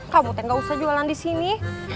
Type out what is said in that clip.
kamu teh gak usah jualan di sini